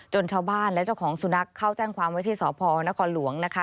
ชาวบ้านและเจ้าของสุนัขเข้าแจ้งความไว้ที่สพนครหลวงนะคะ